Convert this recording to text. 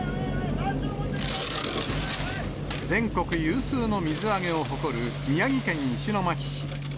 全国有数の水揚げを誇る、宮城県石巻市。